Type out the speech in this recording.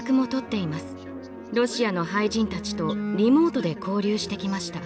ロシアの俳人たちとリモートで交流してきました。